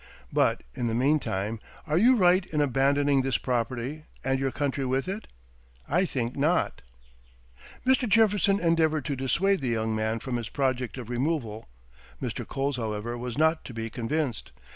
But, in the mean time, are you right in abandoning this property, and your country with it? I think not." Mr. Jefferson endeavored to dissuade the young man from his project of removal. Mr. Coles, however, was not to be convinced.